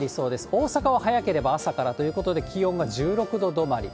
大阪は早ければ朝からということで、気温が１６度止まり。